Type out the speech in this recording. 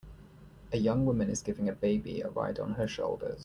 a young woman is giving a baby a ride on her shoulders.